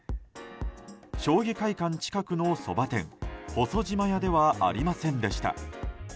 将棋会館近くのそば店ほそ島やではありませんでした。